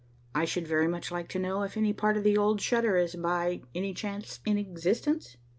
"I should very much like to know if any part of the old shutter is by any chance in existence."